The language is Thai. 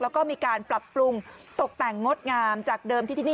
แล้วก็มีการปรับปรุงตกแต่งงดงามจากเดิมที่ที่นี่